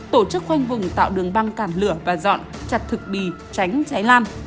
tổ chức khoanh vùng tạo đường băng cản lửa và dọn chặt thực bì tránh cháy lan